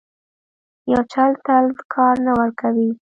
یو چل تل کار نه ورکوي.